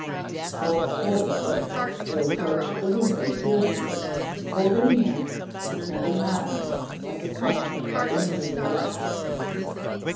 Thus fortified, they approached the window fearfully, holding hands and stepping high, like a couple in a minuet.